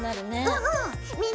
うん！